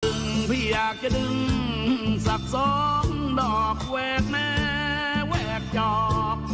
ดึงพี่อยากจะดึงสักสองดอกแวกแม่แวกจอบ